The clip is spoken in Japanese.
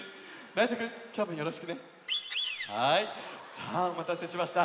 さあおまたせしました。